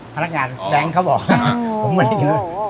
พนักงานแซงเขาบอก